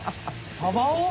サバを？